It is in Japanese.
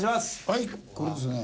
はいこれですね。